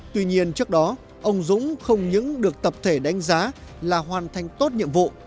tuy nhiên trước đó ông dũng không những được tập thể đánh giá là hoàn thành tốt nhiệm vụ